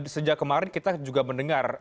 sejak kemarin kita juga mendengar